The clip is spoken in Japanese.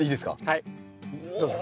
はいどうぞ。